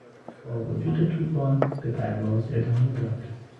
با وجود طوفان به پرواز ادامه داد.